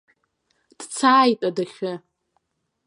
Дцааит адәахьы!